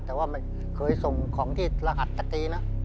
แต่ว่าไม่เคยส่งของที่รหัสสตรีนะ